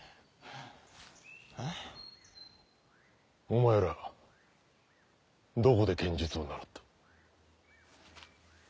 お前らどこで剣術を習った？